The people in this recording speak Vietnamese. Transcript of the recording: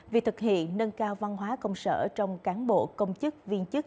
việc thực hiện nâng cao văn hóa công sở trong cán bộ công chức viên chức